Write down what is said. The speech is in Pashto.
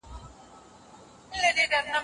خپل لیدلوری مو د خوښۍ پر لور برابر کړئ.